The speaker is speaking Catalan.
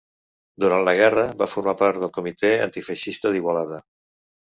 Durant la guerra, va formar part del Comitè Antifeixista d’Igualada.